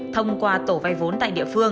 thông qua tổ vay vốn tại địa phương